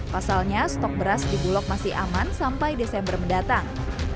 pasalnya stok beras di bulog masih aman sampai desember mendatang